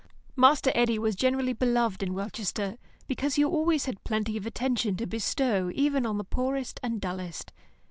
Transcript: Master Eddy was generally beloved in Welchester, because he always had plenty of attention to bestow even on the poorest and dullest.